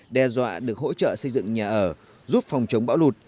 đe dọa được hỗ trợ xây dựng nhà ở giúp phòng chống bão lụt